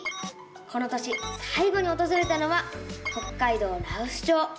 この年さい後におとずれたのは北海道羅臼町。